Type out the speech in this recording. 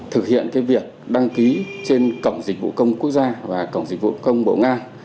thực hiện việc đăng ký trên cổng dịch vụ công quốc gia và cổng dịch vụ công bộ nga